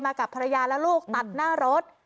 กับภรรยาและลูกตัดหน้ารถ